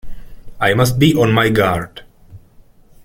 I must be on my guard!